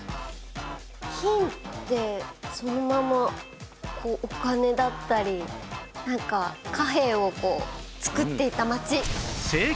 金ってそのままお金だったりなんか貨幣を作っていた町！